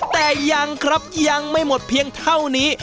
แต่ยังครับยังไม่หมดเพียงเท่านี้